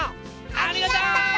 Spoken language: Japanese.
ありがとう！